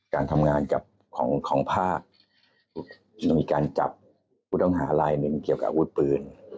การทำงานของภาคมีการจับคุณต้องหารายหนึ่งเกี่ยวกับวุฒิปืน